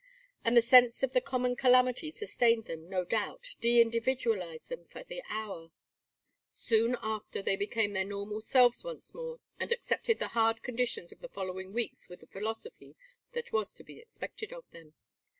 And the sense of the common calamity sustained them, no doubt, deindividualized them for the hour. Soon after they became their normal selves once more, and accepted the hard conditions of the following weeks with the philosophy that was to be expected of them.